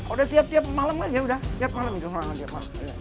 udah tiap tiap malam aja udah tiap malam